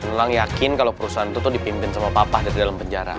memang yakin kalau perusahaan itu tuh dipimpin sama papa dari dalam penjara